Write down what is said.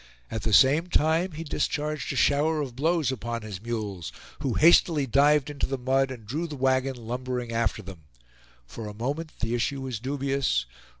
At the same time he discharged a shower of blows upon his mules, who hastily dived into the mud and drew the wagon lumbering after them. For a moment the issue was dubious.